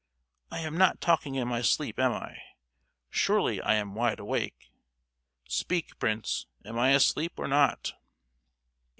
I am not talking in my sleep, am I? Surely I am wide awake? Speak, Prince, am I asleep, or not?"